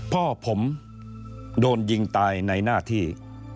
พ่อผมโดนยิงตายในหน้าที่